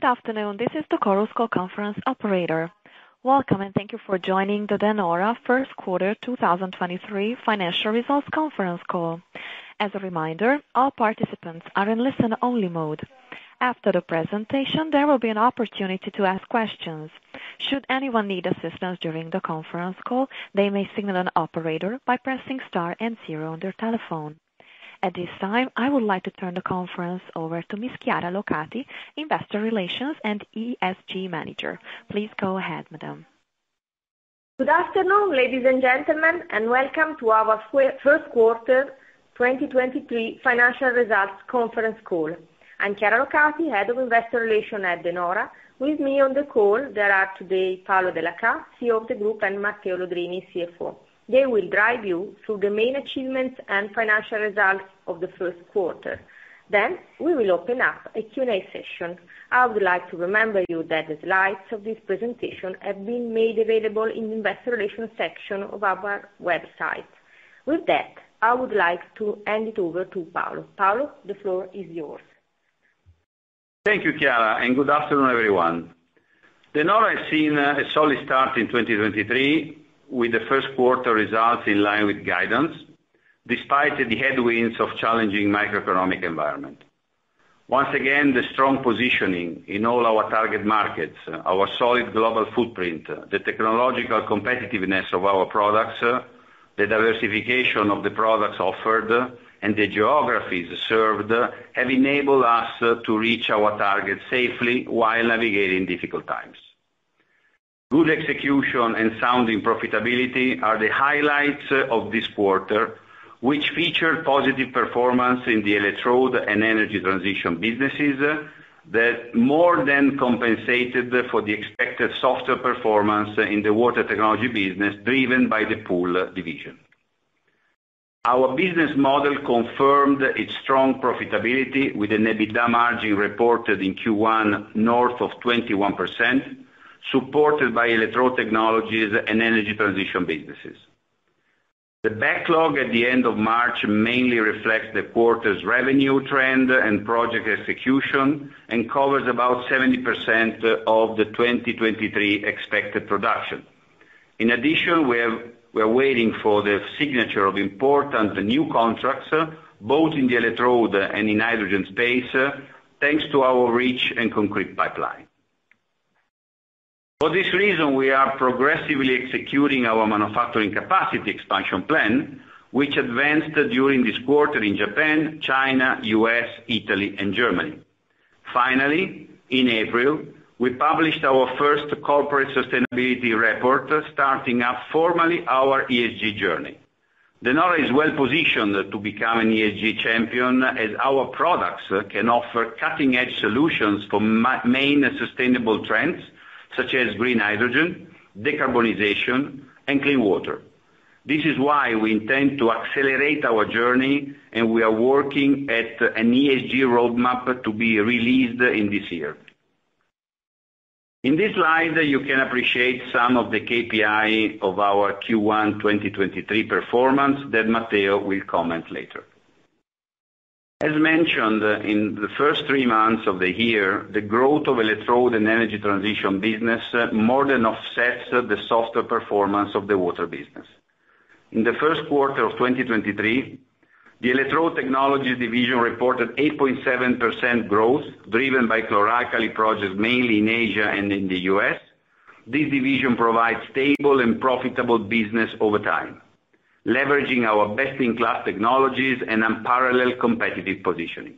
Good afternoon. This is the Chorus Call Conference operator. Welcome. Thank you for joining the De Nora first quarter 2023 financial results conference call. As a reminder, all participants are in listen-only mode. After the presentation, there will be an opportunity to ask questions. Should anyone need assistance during the conference call, they may signal an operator by pressing star zero on their telephone. At this time, I would like to turn the conference over to Miss Chiara Locati, investor relations and ESG manager. Please go ahead, madam. Good afternoon, ladies and gentlemen, and welcome to our first quarter 2023 financial results conference call. I'm Chiara Locati, Head of Investor Relations at De Nora. With me on the call there are today Paolo Dellachà, CEO of the group, and Matteo Lodrini, CFO. They will drive you through the main achievements and financial results of the first quarter. We will open up a Q&A session. I would like to remember you that the slides of this presentation have been made available in the investor section of our website. With that, I would like to hand it over to Paolo. Paolo, the floor is yours. Thank you, Chiara. Good afternoon, everyone. De Nora has seen a solid start in 2023, with the first quarter results in line with guidance, despite the headwinds of challenging macroeconomic environment. Once again, the strong positioning in all our target markets, our solid global footprint, the technological competitiveness of our products, the diversification of the products offered, and the geographies served, have enabled us to reach our targets safely while navigating difficult times. Good execution and sounding profitability are the highlights of this quarter, which featured positive performance in the electrode and energy transition businesses that more than compensated for the expected softer performance in the water technology business, driven by the pool division. Our business model confirmed its strong profitability with an EBITDA margin reported in Q1 north of 21%, supported by electrode technologies and energy transition businesses. The backlog at the end of March mainly reflects the quarter's revenue trend and project execution, and covers about 70% of the 2023 expected production. In addition, we're waiting for the signature of important new contracts, both in the electrode and in hydrogen space, thanks to our rich and concrete pipeline. For this reason, we are progressively executing our manufacturing capacity expansion plan, which advanced during this quarter in Japan, China, U.S., Italy, and Germany. Finally, in April, we published our first corporate sustainability report, starting up formally our ESG journey. De Nora is well-positioned to become an ESG champion as our products can offer cutting-edge solutions for main sustainable trends such as green hydrogen, decarbonization, and clean water. This is why we intend to accelerate our journey, we are working at an ESG roadmap to be released in this year. In this slide, you can appreciate some of the KPI of our Q1 2023 performance that Matteo Lodrini will comment later. As mentioned, in the first three months of the year, the growth of electrode and energy transition business more than offsets the softer performance of the water business. In the first quarter of 2023, the electrode technologies division reported 8.7% growth, driven by chlor-alkali projects mainly in Asia and in the U.S. This division provides stable and profitable business over time, leveraging our best-in-class technologies and unparalleled competitive positioning.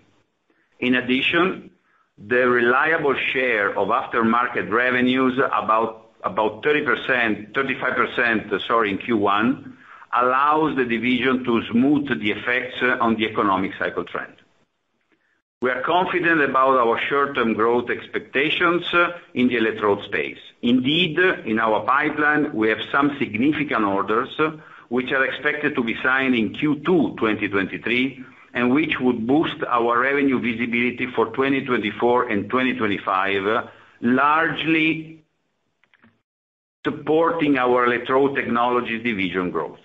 The reliable share of aftermarket revenues, about 35%, sorry, in Q1, allows the division to smooth the effects on the economic cycle trend. We are confident about our short-term growth expectations in the electrode space. Indeed, in our pipeline, we have some significant orders, which are expected to be signed in Q2 2023, and which would boost our revenue visibility for 2024 and 2025, largely supporting our electrode technologies division growth.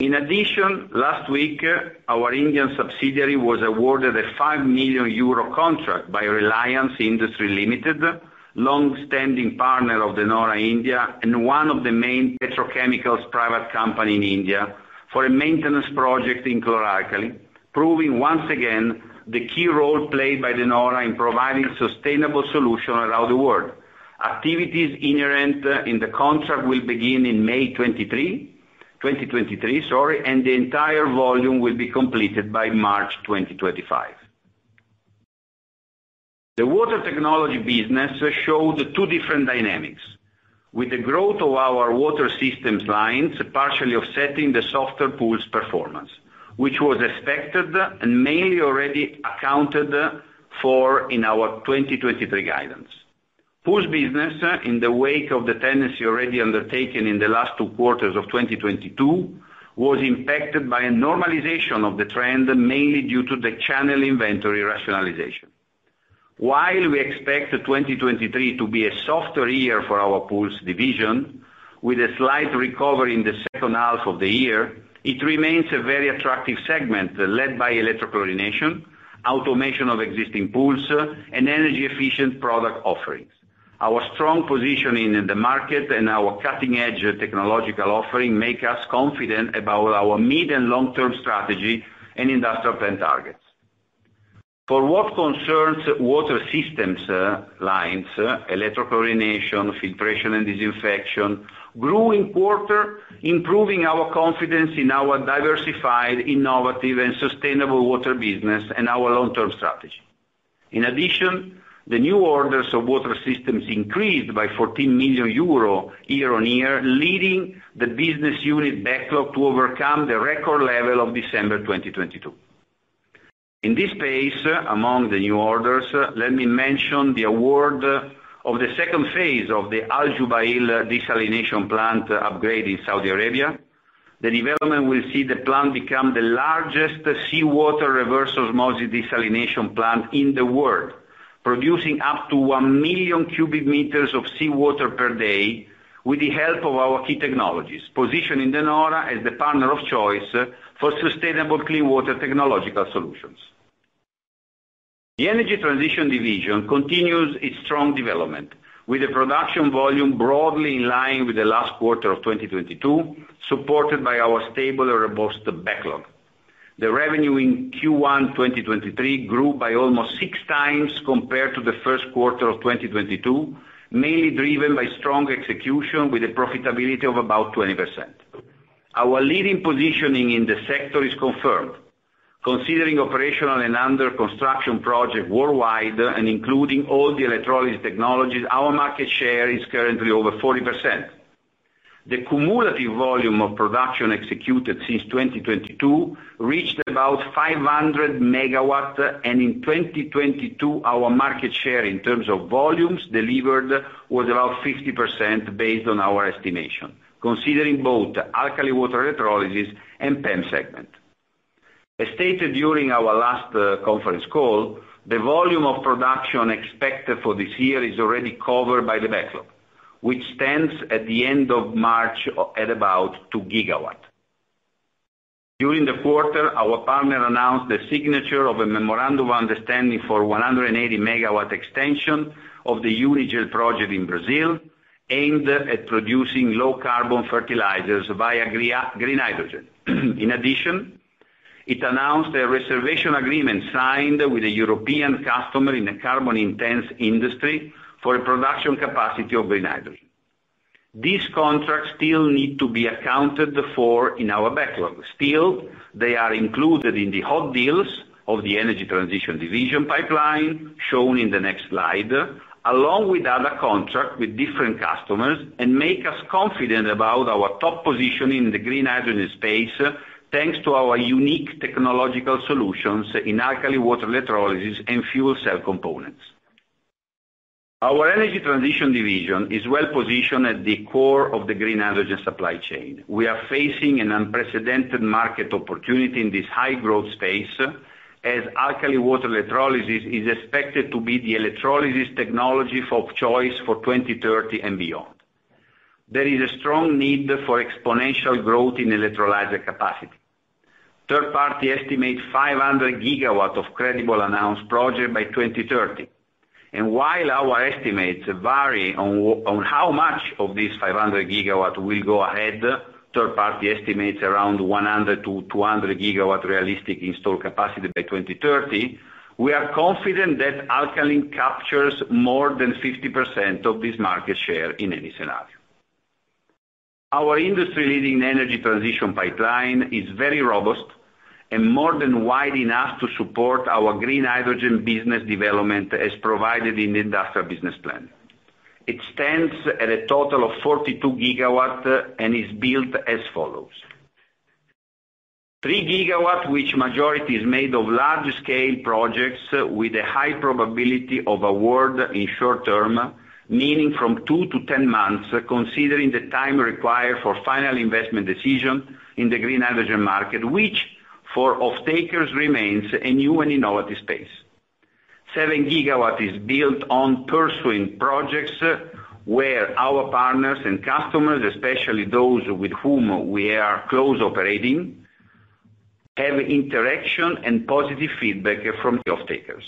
In addition, last week, our Indian subsidiary was awarded a 5 million euro contract by Reliance Industries Limited, long-standing partner of De Nora India and one of the main petrochemicals private company in India, for a maintenance project in chlor-alkali, proving once again the key role played by De Nora in providing sustainable solution around the world. Activities inherent in the contract will begin in May 2023, and the entire volume will be completed by March 2025. The water technology business showed two different dynamics. With the growth of our water systems lines partially offsetting the softer pools performance, which was expected and mainly already accounted for in our 2023 guidance. Pools business, in the wake of the tenancy already undertaken in the last two quarters of 2022, was impacted by a normalization of the trend, mainly due to the channel inventory rationalization. While we expect 2023 to be a softer year for our pools division. With a slight recovery in the second half of the year, it remains a very attractive segment, led by electrochlorination, automation of existing pools, and energy efficient product offerings. Our strong positioning in the market and our cutting-edge technological offering make us confident about our mid and long-term strategy and industrial plan targets. For what concerns water systems, lines, electrochlorination, filtration and disinfection, growing quarter, improving our confidence in our diversified, innovative and sustainable water business and our long-term strategy. In addition, the new orders of water systems increased by 14 million euro year-on-year, leading the business unit backlog to overcome the record level of December 2022. In this space, among the new orders, let me mention the award of the second phase of the Al Jubail desalination plant upgrade in Saudi Arabia. The development will see the plant become the largest seawater reverse osmosis desalination plant in the world, producing up to 1 million cubic meters of seawater per day with the help of our key technologies, positioning De Nora as the partner of choice for sustainable clean water technological solutions. The energy transition division continues its strong development, with a production volume broadly in line with the last quarter of 2022, supported by our stable and robust backlog. The revenue in Q1 2023 grew by almost 6x compared to the first quarter of 2022, mainly driven by strong execution with a profitability of about 20%. Our leading positioning in the sector is confirmed. Considering operational and under construction project worldwide and including all the electrolysis technologies, our market share is currently over 40%. The cumulative volume of production executed since 2022 reached about 500 MW, and in 2022, our market share in terms of volumes delivered was about 50% based on our estimation, considering both alkaline water electrolysis and PEM segment. As stated during our last conference call, the volume of production expected for this year is already covered by the backlog, which stands at the end of March at about 2 GW. During the quarter, our partner announced the signature of a memorandum understanding for 180 MW extension of the Unigel project in Brazil, aimed at producing low carbon fertilizers via green hydrogen. It announced a reservation agreement signed with a European customer in a carbon-intense industry for a production capacity of green hydrogen. These contracts still need to be accounted for in our backlog. They are included in the hot deals of the energy transition division pipeline, shown in the next slide, along with other contracts with different customers, and make us confident about our top position in the green hydrogen space, thanks to our unique technological solutions in alkaline water electrolysis and fuel cell components. Our energy transition division is well-positioned at the core of the green hydrogen supply chain. We are facing an unprecedented market opportunity in this high-growth space, as alkaline water electrolysis is expected to be the electrolysis technology of choice for 2030 and beyond. There is a strong need for exponential growth in electrolyzer capacity. Third-party estimates 500 GW of credible announced projects by 2030. While our estimates vary on how much of this 500 GW will go ahead, third party estimates around 100 GW-200 GW realistic install capacity by 2030, we are confident that alkaline captures more than 50% of this market share in any scenario. Our industry-leading energy transition pipeline is very robust and more than wide enough to support our green hydrogen business development as provided in the industrial business plan. It stands at a total of 42 GW and is built as follows: 3 GW, which majority is made of large-scale projects with a high probability of award in short term, meaning from two to 10 months, considering the time required for final investment decision in the green hydrogen market, which for off-takers remains a new and innovative space. 7 GW is built on pursuing projects where our partners and customers, especially those with whom we are close operating, have interaction and positive feedback from the off-takers.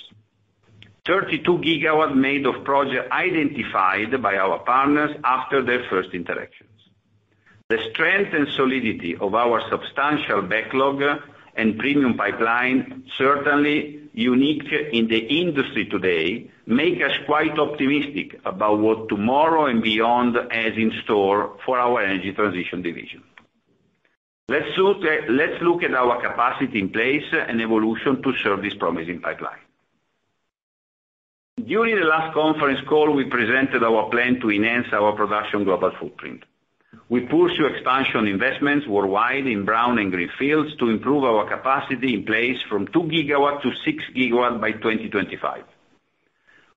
32 GW made of project identified by our partners after their first interactions. The strength and solidity of our substantial backlog and premium pipeline, certainly unique in the industry today, make us quite optimistic about what tomorrow and beyond has in store for our energy transition division. Let's look at our capacity in place and evolution to serve this promising pipeline. During the last conference call, we presented our plan to enhance our production global footprint. We pursue expansion investments worldwide in brown and green fields to improve our capacity in place from 2 GW-6 GW by 2025.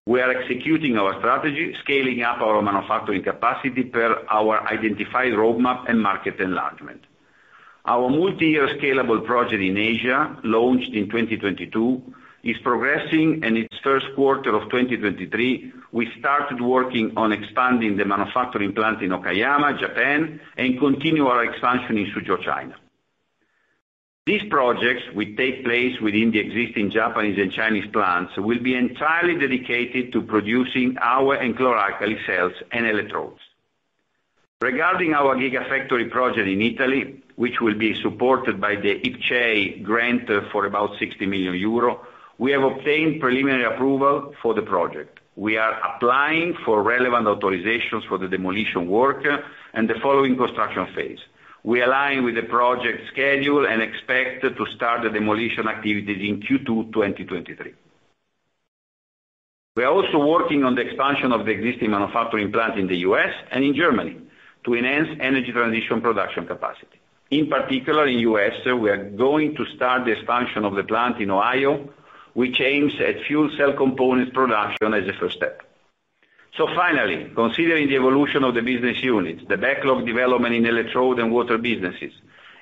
We are executing our strategy, scaling up our manufacturing capacity per our identified roadmap and market enlargement. Our multi-year scalable project in Asia, launched in 2022, is progressing. Its first quarter of 2023, we started working on expanding the manufacturing plant in Okayama, Japan, and continue our expansion in Suzhou, China. These projects will take place within the existing Japanese and Chinese plants, will be entirely dedicated to producing our chlor-alkali cells and electrodes. Regarding our gigafactory project in Italy, which will be supported by the IPCEI grant for about 60 million euro, we have obtained preliminary approval for the project. We are applying for relevant authorizations for the demolition work and the following construction phase. We align with the project schedule and expect to start the demolition activities in Q2 2023. We are also working on the expansion of the existing manufacturing plant in the U.S. and in Germany to enhance energy transition production capacity. In particular, in U.S., we are going to start the expansion of the plant in Ohio, which aims at fuel cell components production as a first step. Finally, considering the evolution of the business units, the backlog development in electrode and water businesses,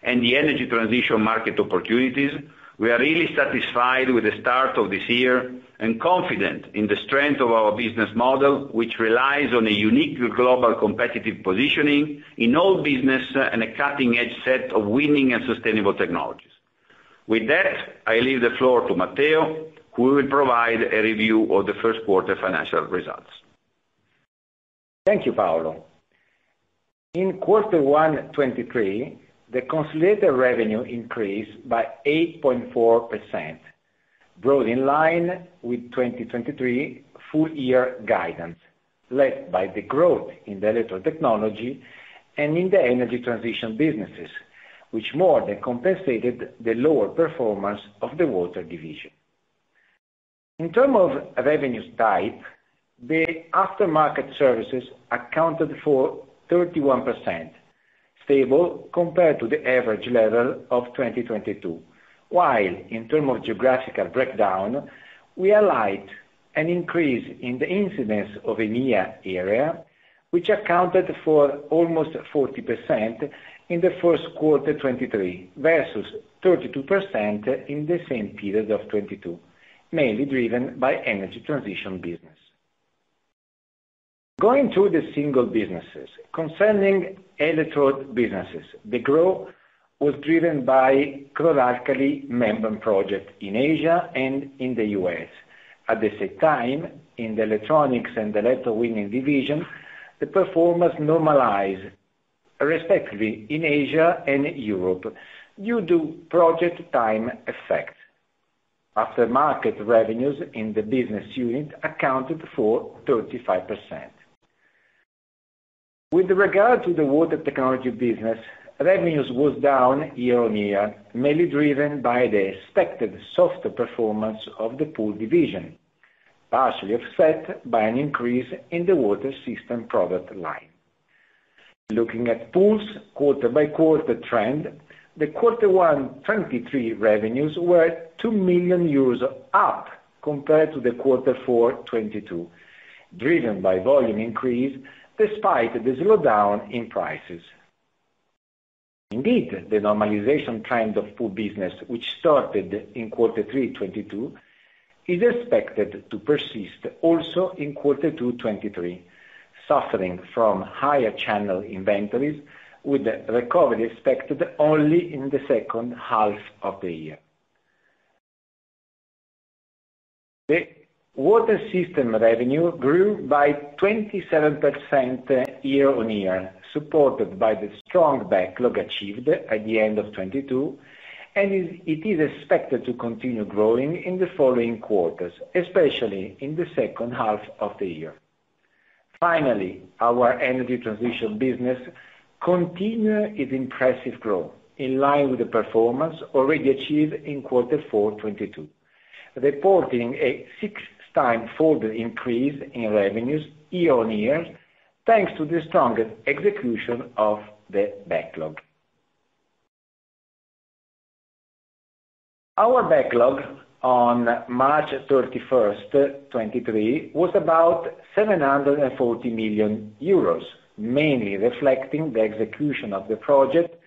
and the energy transition market opportunities, we are really satisfied with the start of this year and confident in the strength of our business model, which relies on a unique global competitive positioning in all business and a cutting-edge set of winning and sustainable technologies. With that, I leave the floor to Matteo, who will provide a review of the first quarter financial results. Thank you, Paolo. In quarter one, 2023, the consolidated revenue increased by 8.4%, growth in line with 2023 full year guidance, led by the growth in the electro technology and in the energy transition businesses, which more than compensated the lower performance of the water division. In terms of revenue type, the aftermarket services accounted for 31%, stable compared to the average level of 2022. In terms of geographical breakdown, we highlight an increase in the incidence of EMEA area, which accounted for almost 40% in the first quarter 2023 versus 32% in the same period of 2022, mainly driven by energy transition business. Going to the single businesses. Concerning electrode businesses, the growth was driven by chlor-alkali membrane project in Asia and in the U.S. At the same time, in the electronics and electrowinning division, the performance normalize, respectively, in Asia and Europe, due to project time effect. After market revenues in the business unit accounted for 35%. With regard to the water technology business, revenues was down year-on-year, mainly driven by the expected softer performance of the pool division, partially offset by an increase in the water system product line. Looking at pools quarter-by-quarter trend, the quarter one 2023 revenues were 2 million euros up compared to the quarter four 2022, driven by volume increase despite the slowdown in prices. Indeed, the normalization trend of pool business, which started in quarter three 2022, is expected to persist also in quarter two 2023, suffering from higher channel inventories with recovery expected only in the second half of the year. The water system revenue grew by 27% year-on-year, supported by the strong backlog achieved at the end of 2022, it is expected to continue growing in the following quarters, especially in the second half of the year. Our energy transition business continue its impressive growth, in line with the performance already achieved in Q4 2022, reporting a 6x folder increase in revenues year-on-year, thanks to the strongest execution of the backlog. Our backlog on March 31, 2023, was about 740 million euros, mainly reflecting the execution of the project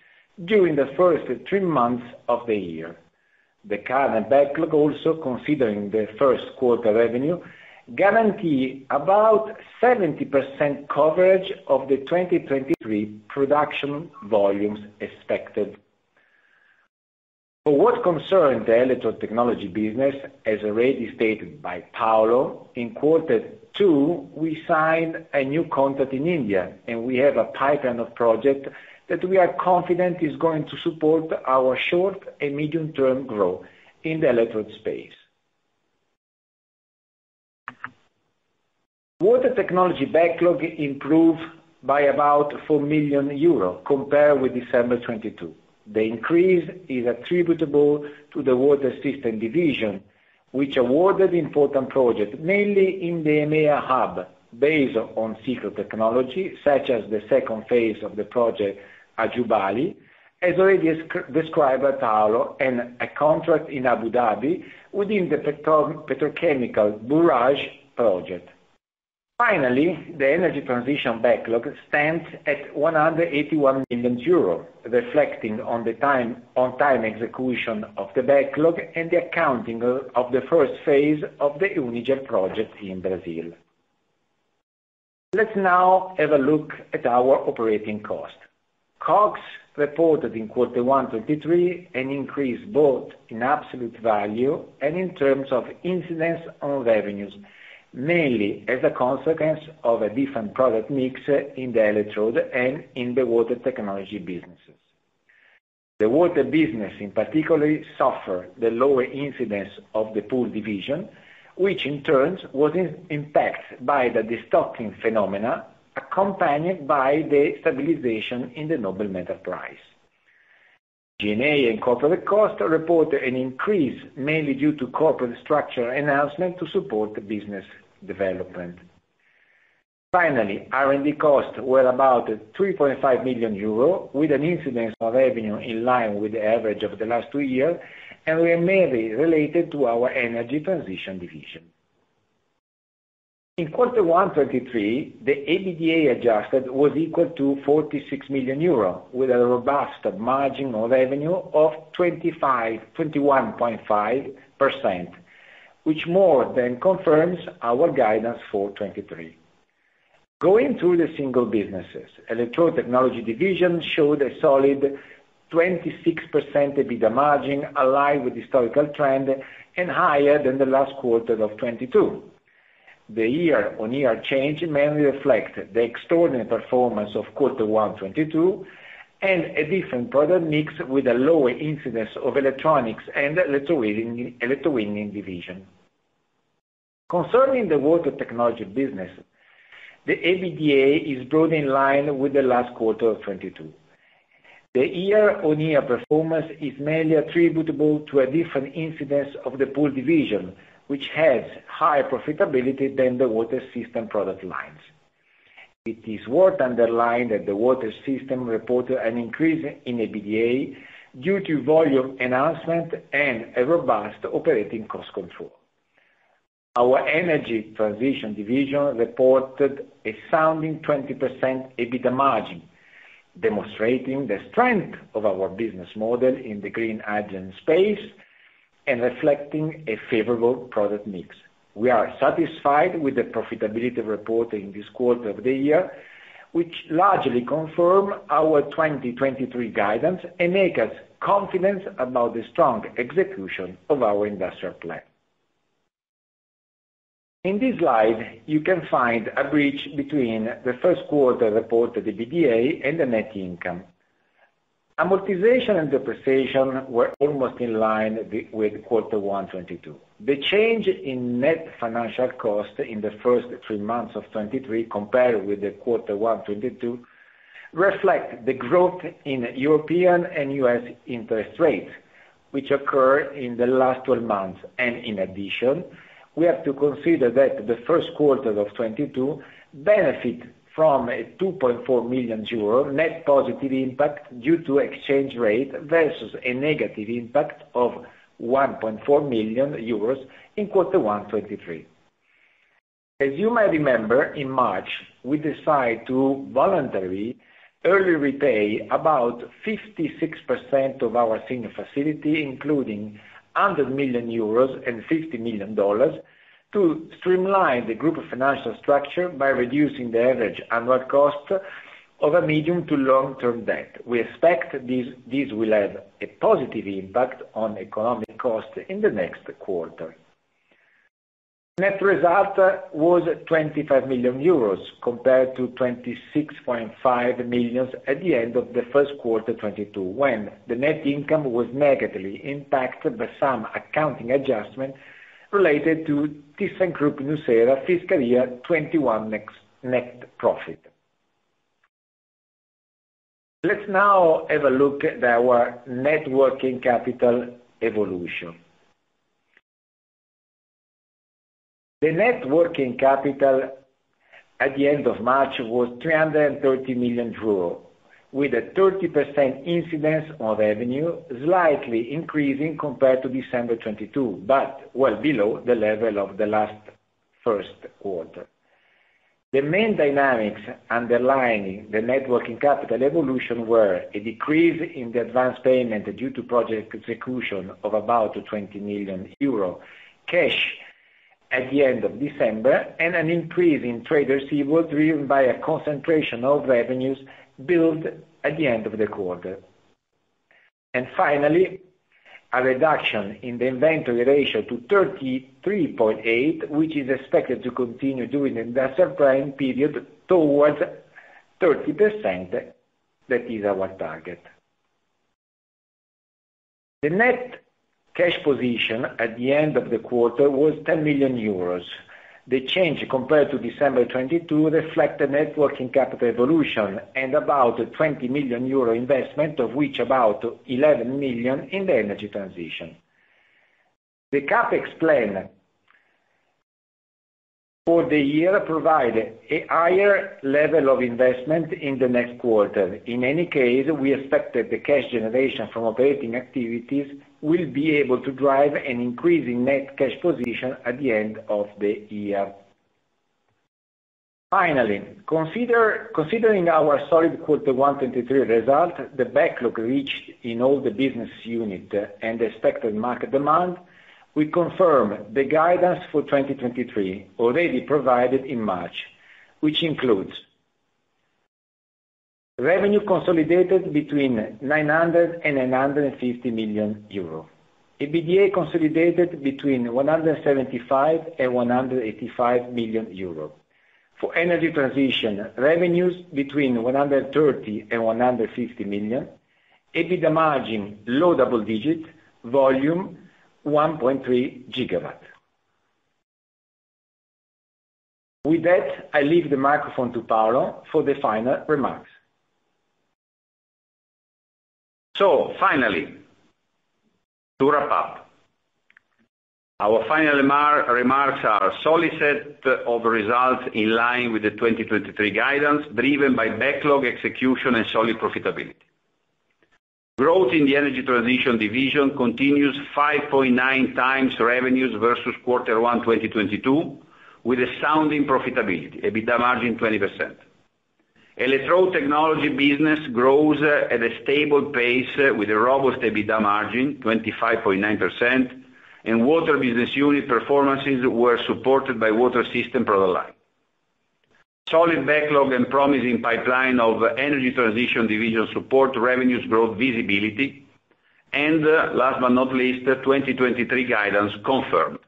during the first three months of the year. The current backlog also considering the first quarter revenue, guarantee about 70% coverage of the 2023 production volumes expected. For what concern the electro technology business, as already stated by Paolo, in quarter two, we signed a new contract in India, and we have a pipeline of project that we are confident is going to support our short and medium term growth in the electrode space. Water technology backlog improved by about 4 million euros compared with December 2022. The increase is attributable to the water system division, which awarded important project, mainly in the EMEA hub, based on CECHLO technology, such as the second phase of the project Al Jubail, as already described by Paolo, and a contract in Abu Dhabi within the petrochemical Borouge project. Finally, the energy transition backlog stands at 181 million euros, reflecting on time execution of the backlog and the accounting of the first phase of the Unigel project in Brazil. Let's now have a look at our operating cost. COGS reported in quarter one 2023 an increase both in absolute value and in terms of incidence on revenues, mainly as a consequence of a different product mix in the electrode and in the water technology businesses. The water business in particular suffer the lower incidence of the pool division, which in turn was impact by the destocking phenomena accompanied by the stabilization in the noble metal price. G&A and corporate cost report an increase mainly due to corporate structure enhancement to support the business development. Finally, R&D costs were about 3.5 million euro, with an incidence of revenue in line with the average of the last two year, and were mainly related to our energy transition division. In Q1 2023, the EBITDA adjusted was equal to 46 million euro, with a robust margin of revenue of 21.5%, which more than confirms our guidance for 2023. Going through the single businesses, electrode technology division showed a solid 26% EBITDA margin, aligned with historical trend and higher than the last quarter of 2022. The year-on-year change mainly reflect the extraordinary performance of Q1 2022 and a different product mix with a lower incidence of electronics and electrowinning division. Concerning the water technology business, the EBITDA is broadly in line with the last quarter of 2022. The year-on-year performance is mainly attributable to a different incidence of the pool division, which has higher profitability than the water system product lines. It is worth underlining that the water system reported an increase in EBITDA due to volume enhancement and a robust operating cost control. Our energy transition division reported a sounding 20% EBITDA margin, demonstrating the strength of our business model in the green hydrogen space and reflecting a favorable product mix. We are satisfied with the profitability report in this quarter of the year, which largely confirm our 2023 guidance and make us confident about the strong execution of our industrial plan. In this slide, you can find a bridge between the first quarter reported EBITDA and the net income. Amortization and depreciation were almost in line with quarter one 2022. The change in net financial cost in the first three months of 2023 compared with the quarter one 2022 reflect the growth in European and U.S. interest rates, which occur in the last 12 months. In addition, we have to consider that the first quarter of 2022 benefit from a 2.4 million euro net positive impact due to exchange rate versus a negative impact of 1.4 million euros in Q1 2023. As you may remember, in March, we decide to voluntarily early repay about 56% of our single facility, including 100 million euros and $50 million, to streamline the group of financial structure by reducing the average annual cost of a medium to long term debt. We expect this will have a positive impact on economic cost in the next quarter. Net result was 25 million euros compared to 26.5 million at the end of Q1 2022, when the net income was negatively impacted by some accounting adjustment related to thyssenkrupp nucera fiscal year 2021 next, net profit. Let's now have a look at our net working capital evolution. The net working capital at the end of March was 330 million euros, with a 30% incidence of revenue slightly increasing compared to December 2022, but well below the level of the last first quarter. The main dynamics underlying the net working capital evolution were a decrease in the advanced payment due to project execution of about 20 million euro cash at the end of December, and an increase in trade receivables driven by a concentration of revenues built at the end of the quarter. Finally, a reduction in the inventory ratio to 33.8, which is expected to continue during the industrial prime period towards 30%. That is our target. The net cash position at the end of the quarter was 10 million euros. The change compared to December 2022 reflect the net working capital evolution and about 20 million euro investment, of which about 11 million in the energy transition. The CapEx plan for the year provide a higher level of investment in the next quarter. In any case, we expect that the cash generation from operating activities will be able to drive an increase in net cash position at the end of the year. Finally, considering our solid quarter one 2023 result, the backlog reached in all the business unit and expected market demand, we confirm the guidance for 2023 already provided in March, which includes revenue consolidated between 900 million euro and EUR 150 million. EBITDA consolidated between 175 million and 185 million euro. For energy transition, revenues between 130 million and 150 million. EBITDA margin, low double digit. Volume, 1.3 GW. With that, I leave the microphone to Paolo for the final remarks. Finally, to wrap up, our final remarks are solid set of results in line with the 2023 guidance, driven by backlog execution and solid profitability. Growth in the energy transition division continues 5.9x revenues versus Q1 2022 with a sounding profitability, EBITDA margin 20%. Electrode technology business grows at a stable pace with a robust EBITDA margin, 25.9%. Water business unit performances were supported by water system product line. Solid backlog and promising pipeline of energy transition division support revenues growth visibility. Last but not least, 2023 guidance confirmed.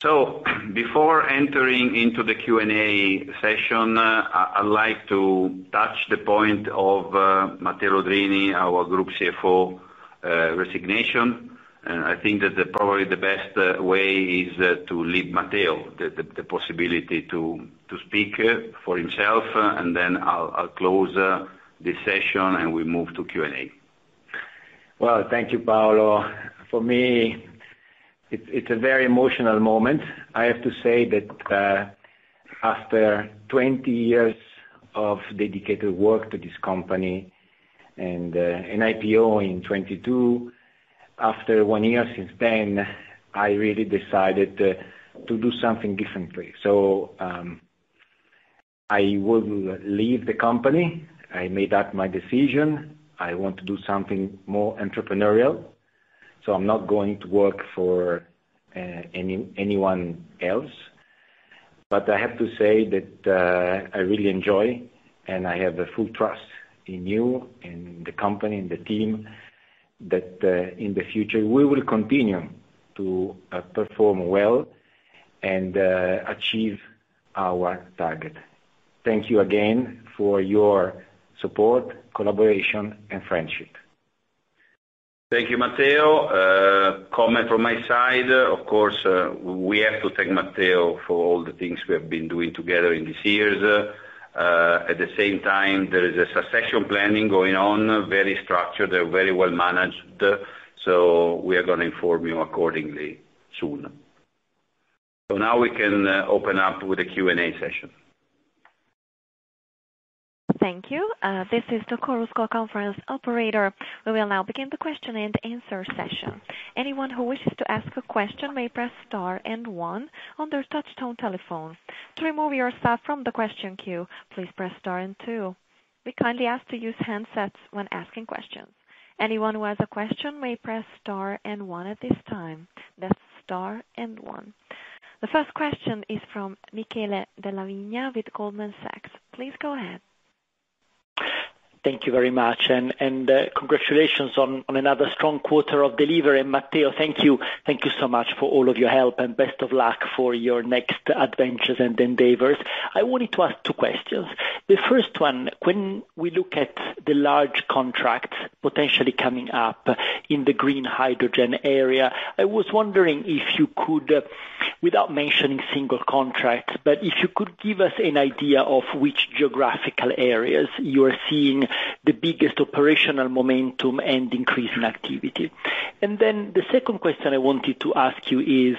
Before entering into the Q&A session, I'd like to touch the point of Matteo Lodrini, our Group CFO, resignation. I think that probably the best way is to leave Matteo the possibility to speak for himself, and then I'll close this session, and we move to Q&A. Well, thank you, Paolo. For me, it's a very emotional moment. I have to say that after 20 years of dedicated work to this company and an IPO in 2022, after one year since then, I really decided to do something differently. I will leave the company. I made that my decision. I want to do something more entrepreneurial, so I'm not going to work for anyone else. I have to say that I really enjoy, and I have a full trust in you and the company and the team that in the future, we will continue to perform well and achieve our target. Thank you again for your support, collaboration and friendship. Thank you, Matteo. Comment from my side, of course, we have to thank Matteo for all the things we have been doing together in these years. At the same time, there is a succession planning going on, very structured and very well managed. We are gonna inform you accordingly soon. Now we can open up with the Q&A session. Thank you. This is the Chorus Call conference operator. We will now begin the question and answer session. Anyone who wishes to ask a question may press star and one on their touch tone telephone. To remove yourself from the question queue, please press star and two. We kindly ask to use handsets when asking questions. Anyone who has a question may press star and one at this time. That's star and one. The first question is from Michele Della Vigna with Goldman Sachs. Please go ahead. Thank you very much. Congratulations on another strong quarter of delivery. Matteo, thank you so much for all of your help, best of luck for your next adventures and endeavors. I wanted to ask two questions. The first one, when we look at the large contracts potentially coming up in the green hydrogen area, I was wondering if you could, without mentioning single contracts, if you could give us an idea of which geographical areas you are seeing the biggest operational momentum and increase in activity. Then the second question I wanted to ask you is,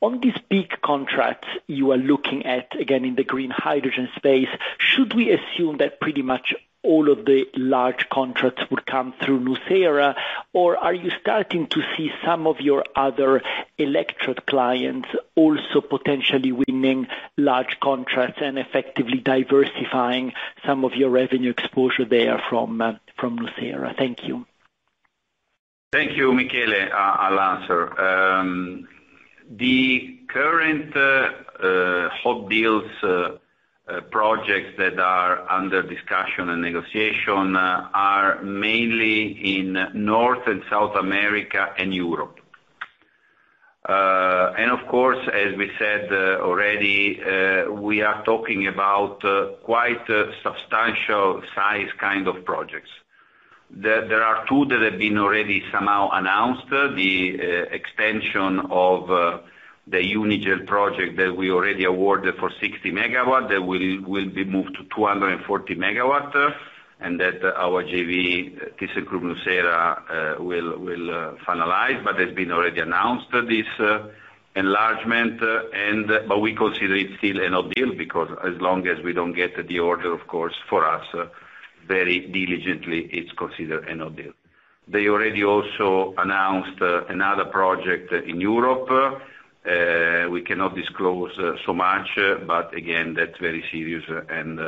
on these big contracts you are looking at, again in the green hydrogen space, should we assume that pretty much all of the large contracts would come through Nucera, or are you starting to see some of your other electrode clients also potentially winning large contracts and effectively diversifying some of your revenue exposure there from Nucera? Thank you. Thank you, Michele. I'll answer. The current hot deals projects that are under discussion and negotiation are mainly in North and South America and Europe. Of course, as we said already, we are talking about quite substantial size kind of projects. There are two that have been already somehow announced. The extension of the Unigel project that we already awarded for 60 MW, that will be moved to 240 MW, and that our JV, thyssenkrupp nucera, will finalize. It's been already announced this enlargement. We consider it still a no deal because as long as we don't get the order, of course, for us, very diligently, it's considered a no deal. They already also announced another project in Europe. We cannot disclose so much, but again, that's very serious and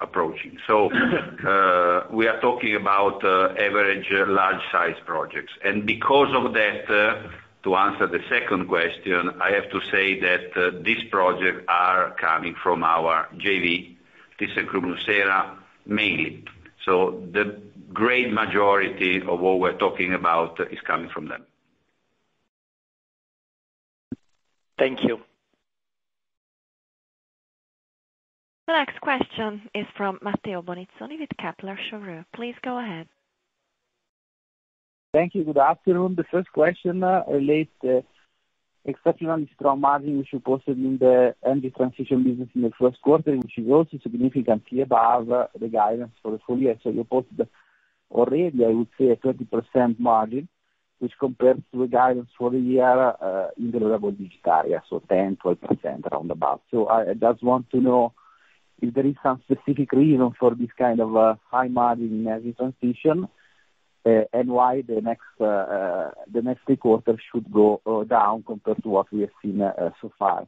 approaching. We are talking about average large size projects. Because of that, to answer the second question, I have to say that these projects are coming from our JV, thyssenkrupp nucera, mainly. The great majority of what we're talking about is coming from them. Thank you. The next question is from Matteo Bonizzoni with Kepler Cheuvreux. Please go ahead. Thank you. Good afternoon. The first question relates exceptional strong margin which you posted in the energy transition business in the first quarter, which is also significantly above the guidance for the full year. You posted already, I would say, a 30% margin, which compares to the guidance for the year in the low double digit area, so 10%-12% around about. I just want to know if there is some specific reason for this kind of high margin in energy transition and why the next three quarters should go down compared to what we have seen so far.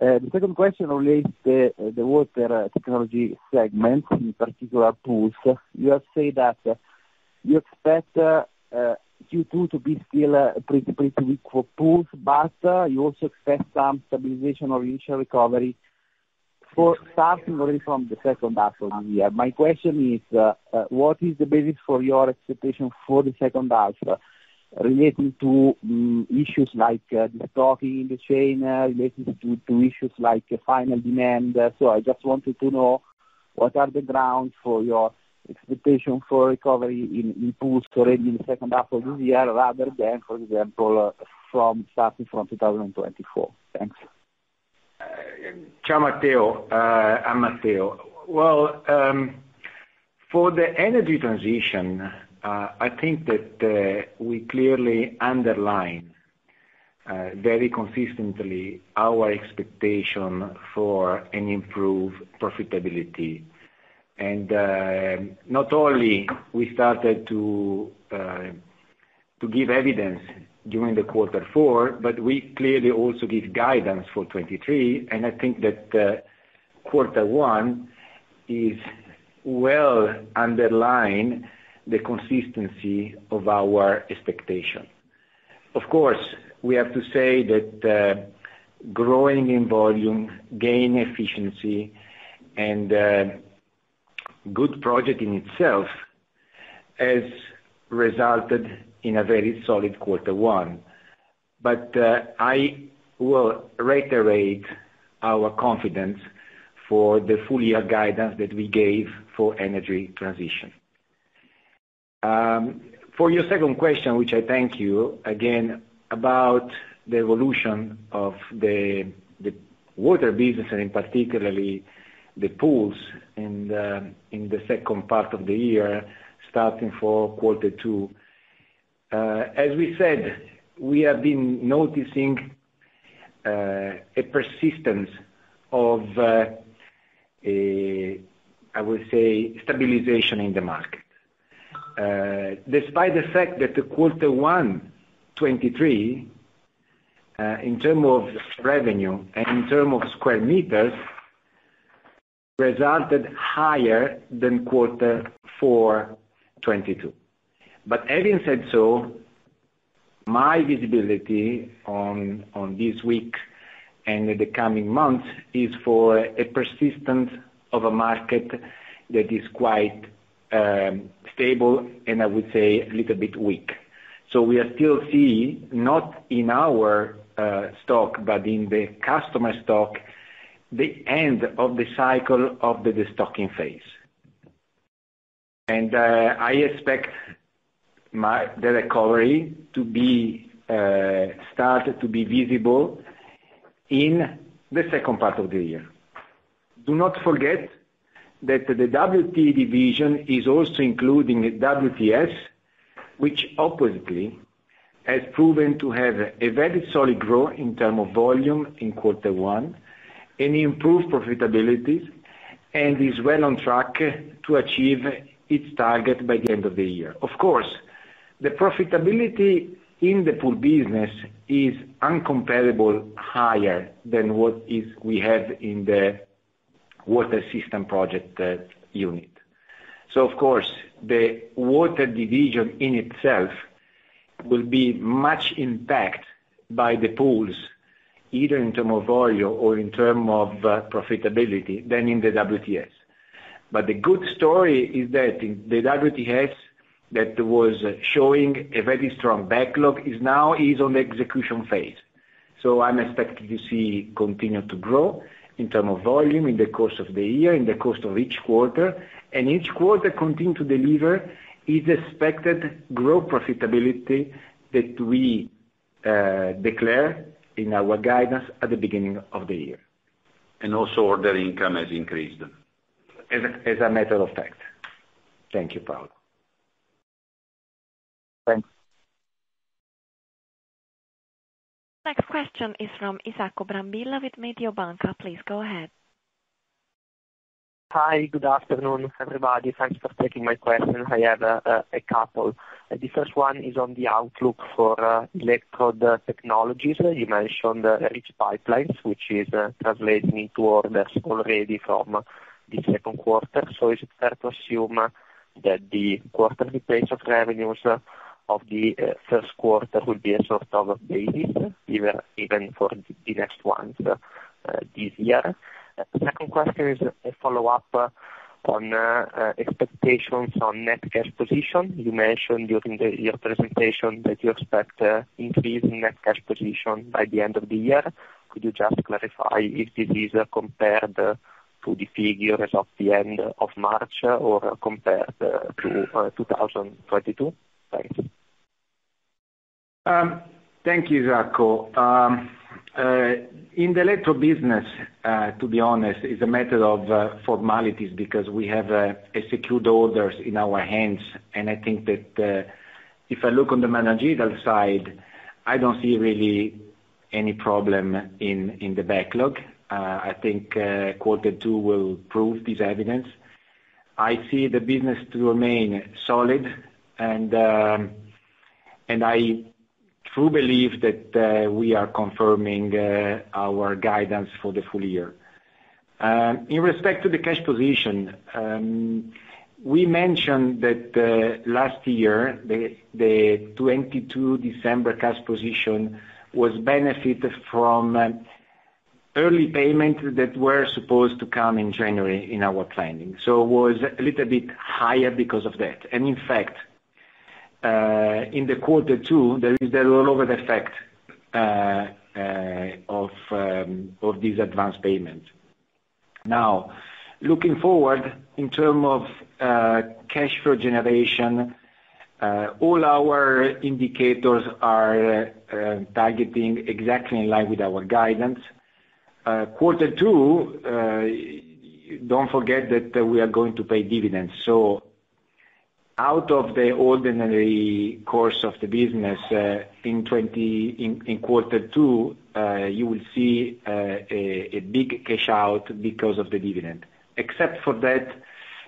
The second question relates the water technology segment, in particular pools. You have said that you expect Q2 to be still pretty weak for pools, but you also expect some stabilization or initial recovery starting really from the second half of the year. My question is, what is the basis for your expectation for the second half relating to issues like the stocking in the chain, relating to issues like final demand? I just wanted to know what are the grounds for your expectation for recovery in pools already in the second half of this year, rather than, for example, starting from 2024. Thanks. Ciao, Matteo. Hi, Matteo. Well, for the energy transition, I think that we clearly underline very consistently our expectation for an improved profitability. Not only we started to give evidence during the quarter four, but we clearly also give guidance for 23, and I think that quarter one is well underline the consistency of our expectation. Of course, we have to say that growing in volume, gain efficiency and good project in itself has resulted in a very solid quarter one. I will reiterate our confidence for the full year guidance that we gave for energy transition. For your second question, which I thank you, again, about the evolution of the water business and in particularly the pools in the second part of the year, starting for quarter two. As we said, we have been noticing a persistence of a, I would say, stabilization in the market. Despite the fact that the quarter one 2023, in terms of revenue and in terms of square meters, resulted higher than quarter four 2022. Having said so, my visibility on this week and in the coming months is for a persistence of a market that is quite stable and I would say a little bit weak. We are still seeing, not in our stock, but in the customer stock, the end of the cycle of the destocking phase. I expect the recovery to be start to be visible in the second part of the year. Do not forget that the WT division is also including WTS, which oppositely has proven to have a very solid growth in term of volume in quarter one, and improved profitability, and is well on track to achieve its target by the end of the year. Of course, the profitability in the pool business is incomparably higher than what is we have in the water system project unit. Of course, the water division in itself will be much impact by the pools, either in term of volume or in term of profitability than in the WTS. The good story is that the WTS that was showing a very strong backlog is now on the execution phase. I'm expecting to see continue to grow in term of volume in the course of the year, in the course of each quarter. Each quarter continue to deliver its expected growth profitability that we declare in our guidance at the beginning of the year. Also order income has increased. As a matter of fact. Thank you, Paolo. Thanks. Next question is from Isacco Brambilla with Mediobanca, please go ahead. Hi, good afternoon, everybody. Thanks for taking my question. I have a couple. The first one is on the outlook for electrode technologies. You mentioned the rich pipelines, which is translating into orders already from the second quarter. Is it fair to assume that the quarterly pace of revenues of the first quarter will be a sort of basis, even for the next ones this year? second question is a follow-up on expectations on net cash position. You mentioned during your presentation that you expect increase in net cash position by the end of the year. Could you just clarify if this is compared to the figures of the end of March or compared to 2022? Thanks. Thank you, Isacco. In the electro business, to be honest, it's a matter of formalities because we have executed orders in our hands. I think that, if I look on the managerial side, I don't see really any problem in the backlog. I think, quarter two will prove this evidence. I see the business to remain solid, I true believe that we are confirming our guidance for the full year. In respect to the cash position, we mentioned that last year the 22 December cash position was benefited from early payment that were supposed to come in January in our planning. Was a little bit higher because of that. In fact, in the quarter two, there is the roll-over effect of this advanced payment. Looking forward in terms of cash flow generation, all our indicators are targeting exactly in line with our guidance. Quarter two, don't forget that we are going to pay dividends. Out of the ordinary course of the business, in quarter two, you will see a big cash out because of the dividend. Except for that,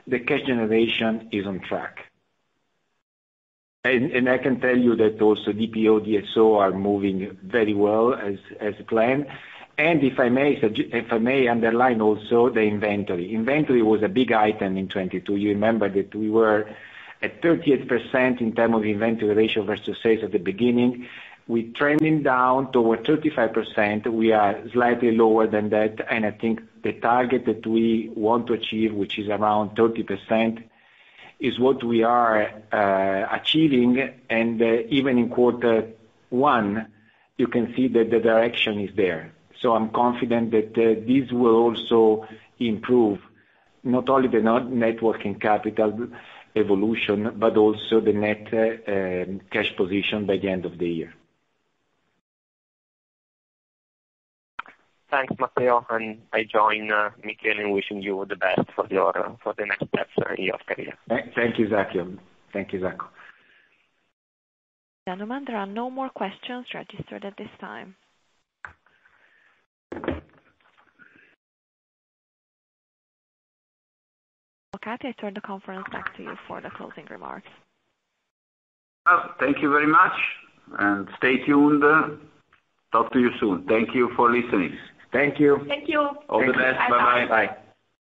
the cash generation is on track. I can tell you that also DPO, DSO are moving very well as planned. If I may underline also the inventory. Inventory was a big item in 2022. You remember that we were at 38% in terms of inventory ratio versus sales at the beginning. We trending down toward 35%. We are slightly lower than that. I think the target that we want to achieve, which is around 30%, is what we are achieving. Even in quarter one, you can see that the direction is there. I'm confident that this will also improve not only the net-net working capital evolution, but also the net cash position by the end of the year. Thanks, Matteo, and I join Michele in wishing you the best for the next steps in your career. Thank you, Isacco. Thank you, Isacco. Gentlemen, there are no more questions registered at this time. Mr. Locati, I turn the conference back to you for the closing remarks. Thank you very much, and stay tuned. Talk to you soon. Thank you for listening. Thank you. Thank you. All the best. Bye-bye.